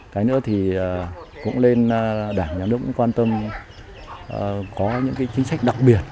cái nữa thì cũng nên đảng nhà nước cũng quan tâm có những cái chính sách đặc biệt